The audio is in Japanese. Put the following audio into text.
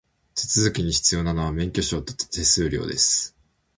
手続きに必要なのは、免許証と手数料です。